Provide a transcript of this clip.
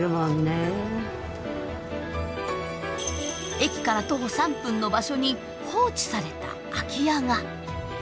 駅から徒歩３分の場所に放置された空き家が。